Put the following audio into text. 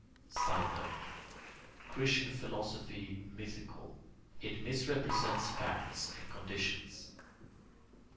[Sidenote: Christian philosophy mythical: it misrepresents facts and conditions.